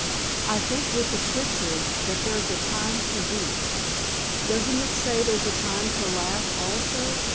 I think, with the Scriptures, that there's a time to weep." "Doesn't it say there's a time to laugh, also?"